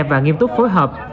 và nghiêm túc phối hợp